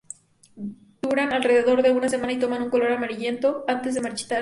Duran alrededor de una semana y toman un color amarillento antes de marchitarse.